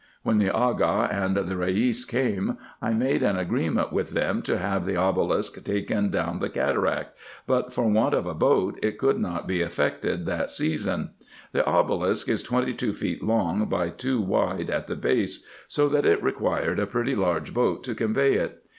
When the Aga and the lieis came, I made an agree 104 RESEARCHES AND OPERATIONS ment with them to have the obelisk taken down the cataract ; but, for want of a boat, it could not be effected that season. The obelisk is twenty two feet long, by two wide at the base ; so that it required a pretty large boat to convey it.